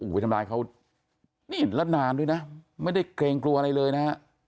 ไปทำร้ายเขานี่แล้วนานด้วยนะไม่ได้เกรงกลัวอะไรเลยนะฮะ